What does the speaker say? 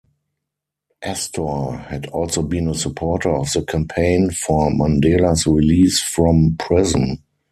Astor had also been a supporter of the campaign for Mandela's release from prison.